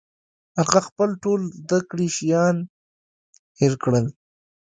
هغه خپل ټول زده کړي شیان هېر کړل